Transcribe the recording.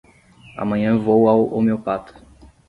Amanhã vou ao homeopata.